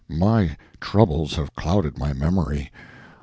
My troubles have clouded my memory.